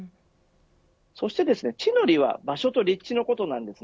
そして地の利は場所と立地のことなんです。